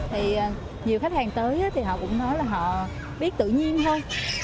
thì nhiều khách hàng tới thì họ cũng nói là họ biết tự nhiên thôi